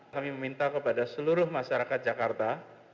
kami meminta kepada seluruh masyarakat jakarta